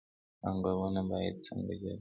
پانګونه باید څنګه جذب شي؟